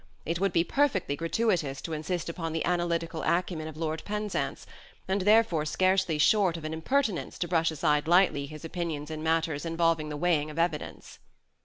It would be perfectly gratuitous to insist upon the analytical acumen of Lord Penzance, and therefore scarcely short of an impertinence to brush aside lightly his opinions in matters involving the weighing of evidence.